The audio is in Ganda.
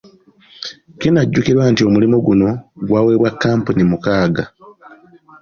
Kinajjukirwa nti omulimu guno gwaweebwa kkampuni mukaaga.